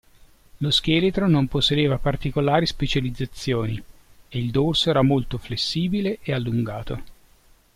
Lo scheletro non possedeva particolari specializzazioni, e il dorso era molto flessibile e allungato.